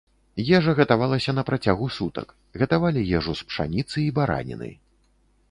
Ежа гатавалася на працягу сутак, гатавалі ежу з пшаніцы і бараніны.